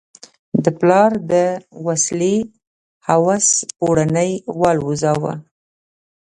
د پلار د وسلې هوس پوړونی والوزاوه.